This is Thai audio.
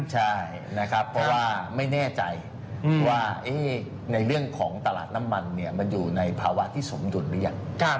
ใช่นะครับเพราะว่าไม่แน่ใจว่าในเรื่องของตลาดน้ำมันมันอยู่ในภาวะที่สมดุลหรือยัง